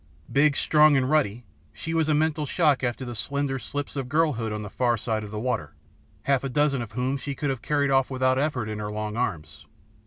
Big, strong, and ruddy, she was a mental shock after the slender slips of girlhood on the far side of the water, half a dozen of whom she could have carried off without effort in her long arms.